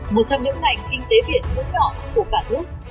một trong những ngành kinh tế biển vững đỏ của cả nước